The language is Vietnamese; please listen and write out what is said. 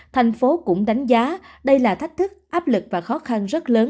thành phố cũng đánh giá đây là thách thức áp lực và khó khăn rất lớn